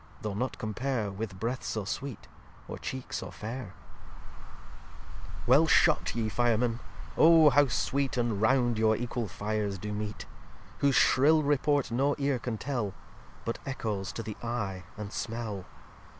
though not compare With Breath so sweet, or Cheek so faire. xxxix Well shot ye Firemen! Oh how sweet, And round your equal Fires do meet; Whose shrill report no Ear can tell, But Ecchoes to the Eye and smell.